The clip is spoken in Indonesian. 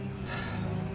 beri saya kesempatan